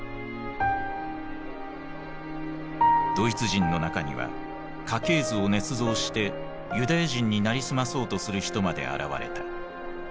ドイツ人の中には家系図をねつ造してユダヤ人に成り済まそうとする人まで現れた。